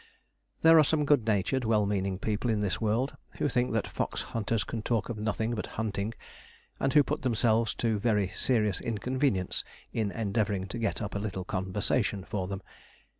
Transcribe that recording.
There are some good natured, well meaning people in this world who think that fox hunters can talk of nothing but hunting, and who put themselves to very serious inconvenience in endeavouring to get up a little conversation for them.